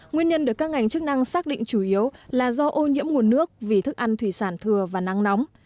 nguyên nhân được các ngành chức năng xác định chủ yếu là do ô nhiễm nguồn nước vì thức ăn thủy sản thừa và nắng nóng